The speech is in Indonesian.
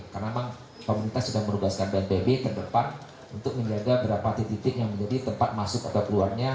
karena memang pemerintah sudah merugaskan bnpb terdepan untuk menjaga berapa titik yang menjadi tempat masuk atau keluarnya